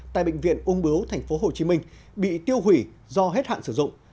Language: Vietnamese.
tại bệnh viện ung bướu tp hcm bị tiêu hủy do hết hạn sử dụng